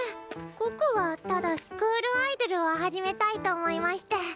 可可はただスクールアイドルを始めたいと思いまして。